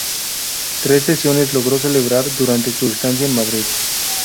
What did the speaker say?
Tres sesiones logró celebrar durante su estancia en Madrid.